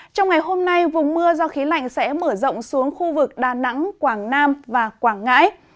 trong ngày hôm nay vùng mưa do khí lạnh sẽ mở rộng xuống khu vực đà nẵng quảng nam và quảng ngãi